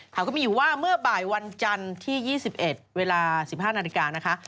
ก็มีอยู่ว่าเมื่อบ่ายวันจันทร์ที่๒๑เวลา๑๕นาฬิกานะคะ